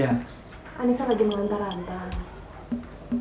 anissa lagi mengantar antar